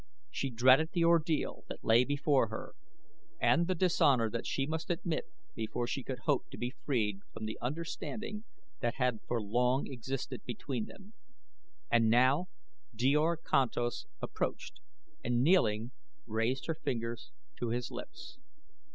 She dreaded the ordeal that lay before her and the dishonor that she must admit before she could hope to be freed from the understanding that had for long existed between them. And now Djor Kantos approached and kneeling raised her fingers to his lips.